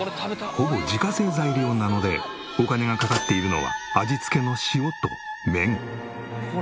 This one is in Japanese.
ほぼ自家製材料なのでお金がかかっているのは味付けの塩と麺。